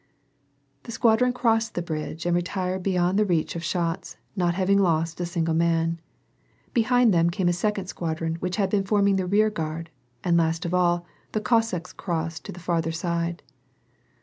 The squadron crossed the bridge and retired bej the shots, not having lost a single man. Behind th second squadron which had been forming the reargu' last of all, the Cossacks crossed to the farther side.